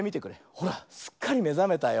ほらすっかりめざめたよ。